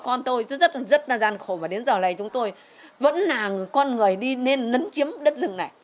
con tôi rất là gian khổ và đến giờ này chúng tôi vẫn là con người đi nên lấn chiếm đất rừng này